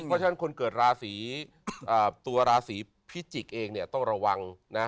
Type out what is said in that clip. เพราะฉะนั้นคนเกิดราศีตัวราศีพิจิกษ์เองเนี่ยต้องระวังนะ